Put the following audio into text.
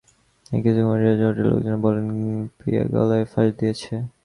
এর কিছুক্ষণ পর রিয়াজ হোটেলের লোকজনকে বলেন, প্রিয়া গলায় ফাঁস দিয়েছে।